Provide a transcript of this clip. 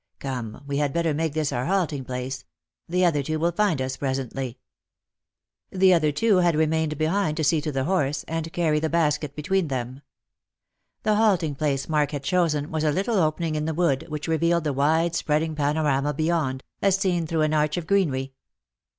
Come, we had better make this our halting place. The other two will find us pre sently." The other two had remained behind to see to the horse, and carry the basket between them. The halting place Mark had chosen was a little opening in the wood, which revealed the wide spreading panorama beyond, as seen through an arch oi Lost for Love. 137 greenery.